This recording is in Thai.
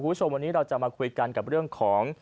คุณผู้ชมวันนี้เราจะมาคุยกันกับเรื่องของ